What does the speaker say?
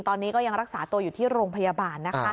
ตอนนี้ก็ยังรักษาตัวอยู่ที่โรงพยาบาลนะคะ